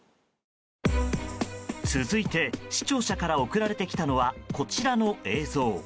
続いて視聴者から送られてきたのはこちらの映像。